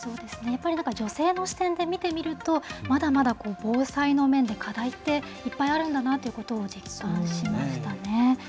やっぱりまだ、女性の視点で見てみると、まだまだ防災の面で課題っていっぱいあるんだなということを実感しましたね。